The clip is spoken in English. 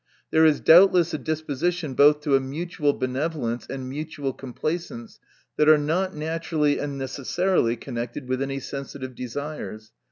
There is doubtless a disposition both to a mutual benevo lence and mutual complacence, that ar* not naturally and necessarily connected with any sensitive desires.